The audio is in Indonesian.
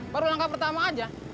baru langkah pertama aja